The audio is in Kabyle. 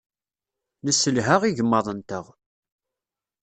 Nesselha igmaḍ-nteɣ.